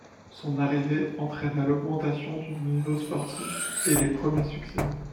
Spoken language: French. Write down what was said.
Son arrivée entraîna l'augmentation du niveau sportif et les premiers succès.